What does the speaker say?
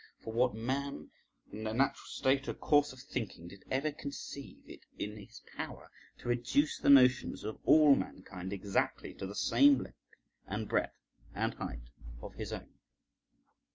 For what man in the natural state or course of thinking did ever conceive it in his power to reduce the notions of all mankind exactly to the same length, and breadth, and height of his own?